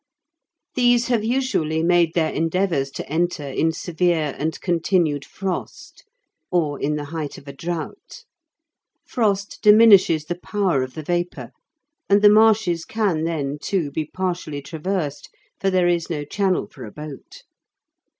These have usually made their endeavours to enter in severe and continued frost, or in the height of a drought. Frost diminishes the power of the vapour, and the marshes can then, too, be partially traversed, for there is no channel for a boat.